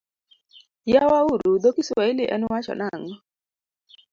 Yawa uru dho Kiswahili en wacho nang'o?